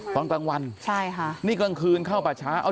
ตอนกลางวันใช่ค่ะนี่กลางคืนเข้าป่าช้า